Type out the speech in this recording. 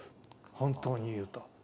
本当に言うと。